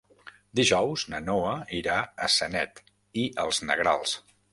Dijous na Noa irà a Sanet i els Negrals.